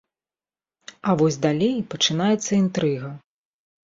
А вось далей пачынаецца інтрыга.